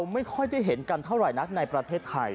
ไม่ค่อยได้เห็นกันเท่าไหร่นักในประเทศไทย